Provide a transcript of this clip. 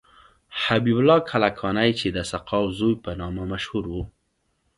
حبیب الله کلکانی چې د سقاو زوی په نامه مشهور و.